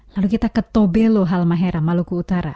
lalu kita ke tobelo halmahera maluku utara